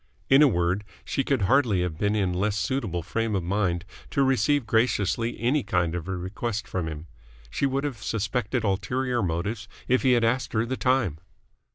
In a word, she could hardly have been in less suitable frame of mind to receive graciously any kind of a request from him. She would have suspected ulterior motives if he had asked her the time.